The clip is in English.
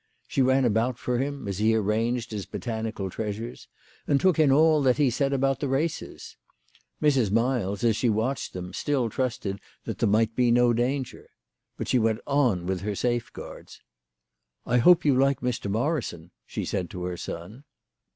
She ran about for him as he arranged his botanical treasures, and took in all that he said about the races. Mrs. Miles, as she watched them, still trusted that there might be no danger. But she went on with her safeguards. " I hope you like Mr. Morri son," she said to her son.